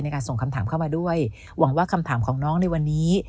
การส่งคำถามเข้ามาด้วยหวังว่าคำถามของน้องในวันนี้